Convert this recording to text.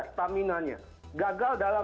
stamina nya gagal dalam